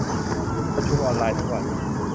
ประชุมออนไลน์ทั้งวัน